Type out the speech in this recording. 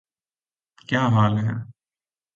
کیا حال ہے؟